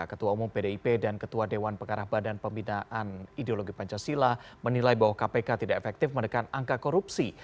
ketua umum pdip dan ketua dewan pengarah badan pembinaan ideologi pancasila menilai bahwa kpk tidak efektif menekan angka korupsi